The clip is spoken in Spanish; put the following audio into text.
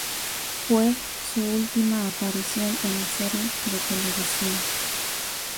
Fue su última aparición en la serie de televisión.